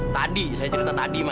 tadi saya cerita tadi